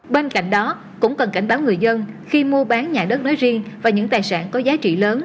bên cạnh đó cũng cần cảnh báo người dân khi mua bán nhà đất nói riêng và những tài sản có giá trị lớn